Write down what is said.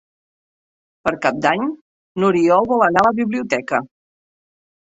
Per Cap d'Any n'Oriol vol anar a la biblioteca.